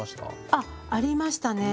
あありましたね